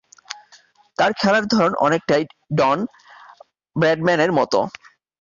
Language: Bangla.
তার খেলার ধরন অনেকটাই ডন ব্র্যাডম্যানের মতো।